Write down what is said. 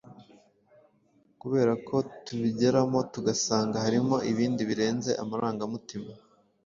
kubera ko tubigeramo tugasanga harimo ibindi birenze amarangamutima